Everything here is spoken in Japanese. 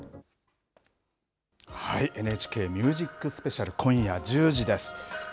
ＮＨＫＭＵＳＩＣＳＰＥＣＩＡＬ今夜１０時です。